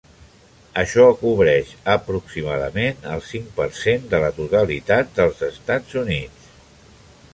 Això cobreix aproximadament el cinc per cent de la totalitat dels Estats Units.